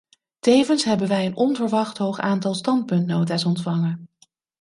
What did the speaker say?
Tevens hebben wij een onverwacht hoog aantal standpuntnota's ontvangen.